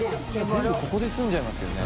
全部ここで済んじゃいますよね。